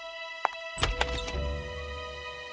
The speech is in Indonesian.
dia mencoba untuk mencoba